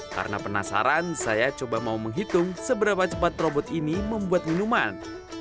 karena penasaran saya coba mau menghitung seberapa cepat robot ini membuat minuman